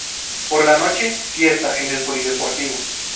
Por la noche fiesta en el polideportivo.